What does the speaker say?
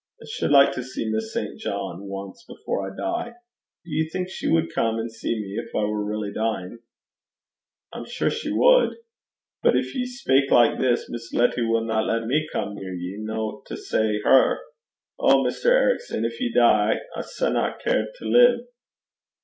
I should like to see Miss St. John once before I die. Do you think she would come and see me if I were really dying?' 'I'm sure she wad. But gin ye speik like this, Miss Letty winna lat me come near ye, no to say her. Oh, Mr. Ericson! gin ye dee, I sanna care to live.'